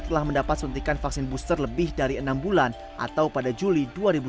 telah mendapat suntikan vaksin booster lebih dari enam bulan atau pada juli dua ribu dua puluh